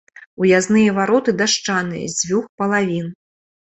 Уязныя вароты дашчаныя з дзвюх палавін.